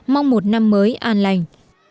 mong một năm mới an lành